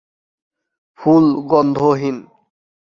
ফুল গন্ধ হীন।